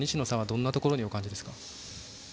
どんなところにお感じですか？